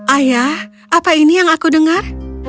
ayah apa ini yang aku dengar